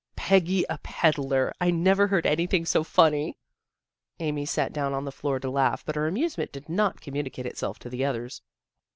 " Peggy a pedler! I never heard anything so funny! " Amy sat down on the floor to laugh, but her amusement did not communi cate itself to the others.